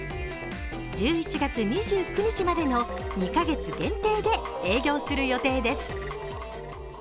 １１月２９日までの２カ月限定で得営業する予定です。